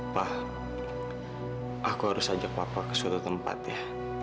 pa aku harus ajak papa ke suatu tempat ya